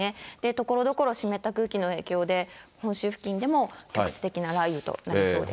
ところどころ湿った空気の影響で、本州付近でも局地的な雷雨となりそうです。